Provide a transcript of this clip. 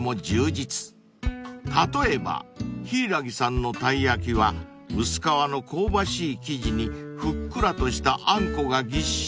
［例えばひいらぎさんのたいやきは薄皮の香ばしい生地にふっくらとしたあんこがぎっしり］